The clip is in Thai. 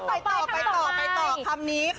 เอ้าไปต่อ